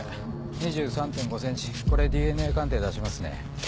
２３．５ｃｍこれＤＮＡ鑑定出しますね。